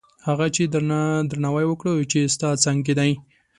هغه چاته درناوی وکړه چې ستا څنګ کې دي.